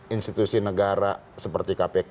institusi negara seperti kpk